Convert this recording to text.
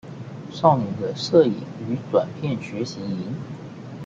青少年的攝影與短片學習營